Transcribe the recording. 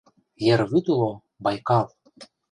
Ер вӱд уло — Байкал!